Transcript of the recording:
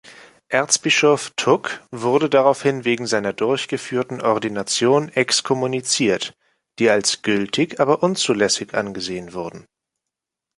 Erzbischof Thục wurde daraufhin wegen seiner durchgeführten Ordinationen exkommuniziert, die als gültig, aber unzulässig angesehen wurden.